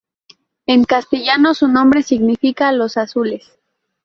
En castellano su nombre significa "Los Azules".